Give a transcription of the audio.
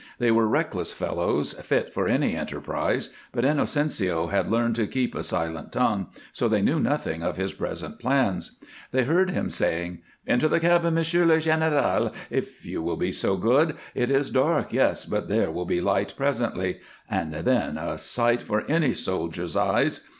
They were reckless fellows, fit for any enterprise, but Inocencio had learned to keep a silent tongue, so they knew nothing of his present plans. They heard him saying: "Into the cabin, Monsieur le Général, if you will be so good. It is dark, yes, but there will be a light presently, and then a sight for any soldier's eyes!